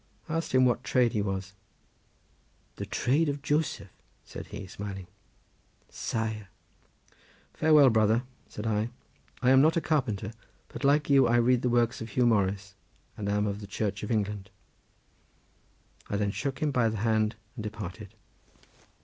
I asked him what trade he was. "The trade of Joseph," said he smiling. "Saer. Farewell, brother," said I; "I am not a carpenter, but like you I read the works of Huw Morris and am of the Church of England." I then shook him by the hand and departed.